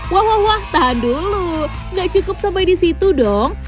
wah wah tahan dulu nggak cukup sampai di situ dong